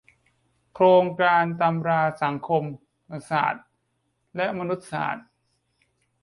โครงการตำราสังคมศาสตร์และมนุษยศาสตร์